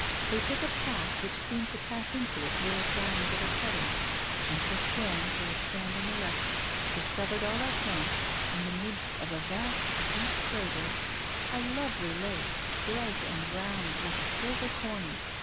They took a path, which seemed to pass into it through a triangular cutting; and Christiane, who was standing erect, discovered all at once, in the midst of a vast deep crater, a lovely lake, bright and round, like a silver coin.